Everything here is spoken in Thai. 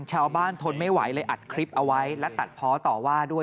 ทนไม่ไหวเลยอัดคลิปเอาไว้และตัดเพาะต่อว่าด้วย